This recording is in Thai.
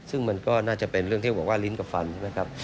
ซึ่งมันก็น่าจะเป็นเรื่องที่บอกว่าลิ้นกับฟันใช่ไหมครับ